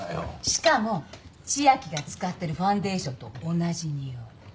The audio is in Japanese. しかも千明が使ってるファンデーションと同じにおい。